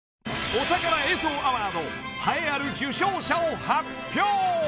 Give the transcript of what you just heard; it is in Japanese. ［お宝映像アワード栄えある受賞者を発表］